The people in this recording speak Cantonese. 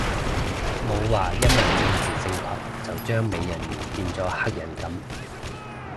冇話因為政治正確就將美人魚變咗黑人噉